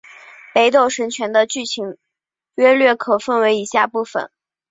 北斗神拳的剧情约略可分为以下部分。